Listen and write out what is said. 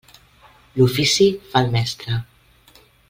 L'ofici fa el mestre.